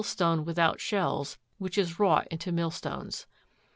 stone without shells, which is wrought into millstones.